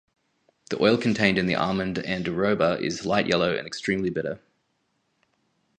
The oil contained in the almond andiroba is light yellow and extremely bitter.